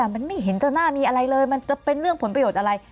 มันไม่เห็นจะหน้ามีอะไรเลยมันจะเป็นเรื่องผลประโยชน์อะไร